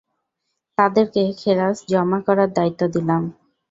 তাঁদেরকে খেরাজ জমা করার দায়িত্ব দিলাম।